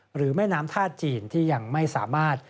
แม่น้ำท่าจีนที่ยังไม่สามารถ